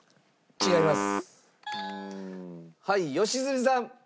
違います。